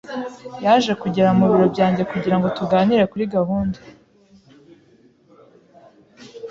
Yaje kugera mu biro byanjye kugira ngo tuganire kuri gahunda.